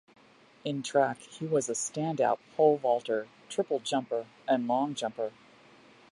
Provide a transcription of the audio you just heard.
In track, he was a standout pole vaulter, triple jumper, and long jumper.